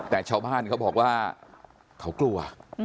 แต่ชาวบ้านเขาบอกว่าเขากลัว